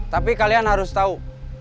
tapi kalian harus tahu